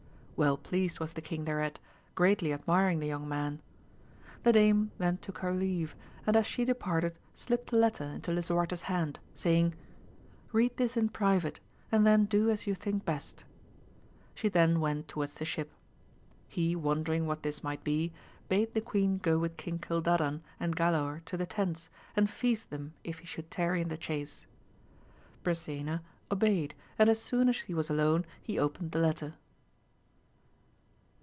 Well pleased was the king thereat, greatly admiring the young man. The dame then took her leave, and as she departed slipped a letter into Lisuarte's hand, saying, Eead this in private, and then do as you think best. She then went towards the ship. He won dering what this might be, bade the queen go with King Gildadan and Galaor to the tents, and feast them if he should tarry in the chace. Brisena obeyed, and as soon as he was alone he opened the letter.